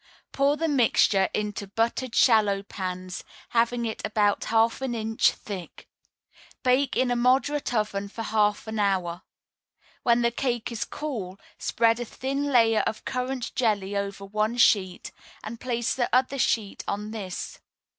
Pour the mixture into buttered shallow pans, having it about half an inch thick. Bake in a moderate oven for half an hour. When the cake is cool, spread a thin layer of currant jelly over one sheet, and place the other sheet on this.